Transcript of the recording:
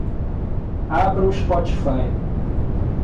Abra o Spotify.